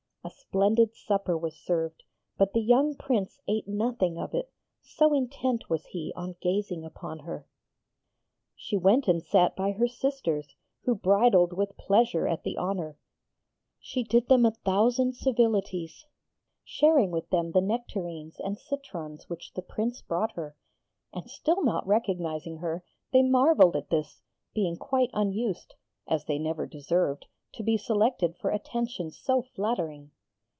A splendid supper was served, but the young Prince ate nothing of it, so intent was he on gazing upon her. She went and sat by her sisters, who bridled with pleasure at the honour. She did them a thousand civilities, sharing with them the nectarines and citrons which the Prince brought her; and still not recognising her, they marvelled at this, being quite unused (as they never deserved) to be selected for attentions so flattering.